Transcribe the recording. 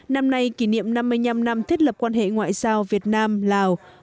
năm nay kỷ niệm năm mươi năm năm thiết lập quan hệ ngoại giao việt nam lào